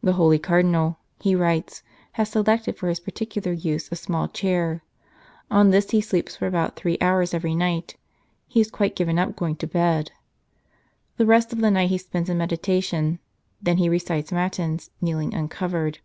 "The holy Cardinal," he writes, "has selected for his particular use a small chair; on this he sleeps for about three hours every night ; he has quite given up going to bed. The rest of the night he spends in meditation ; then he recites Matins, kneeling uncovered.